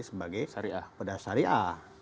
sebagai perda syariah